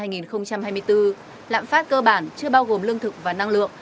trong tháng một năm hai nghìn hai mươi bốn lạm phát cơ bản chưa bao gồm lương thực và năng lượng